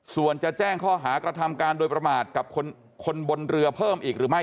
ส่วนจะแจ้งข้อหากระทำการโดยประมาทกับคนบนเรือเพิ่มอีกหรือไม่